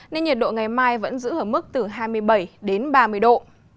nên nhiệt độ ngày mai vẫn giữ ở mức từ hai mươi bảy đến ba mươi độ